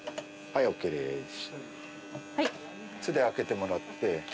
それで開けてもらって。